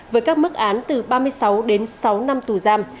với các mức án từ ba mươi sáu đến sáu năm tù giam